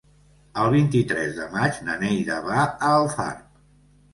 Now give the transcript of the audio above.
El vint-i-tres de maig na Neida va a Alfarb.